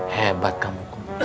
hebat kamu kom